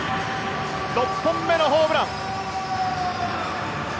６本目のホームラン！